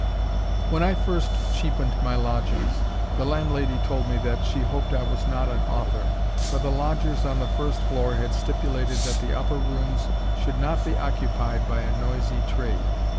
When I first cheapened my lodgings, the landlady told me, that she hoped I was not an author, for the lodgers on the first floor had stipulated that the upper rooms should not be occupied by a noisy trade.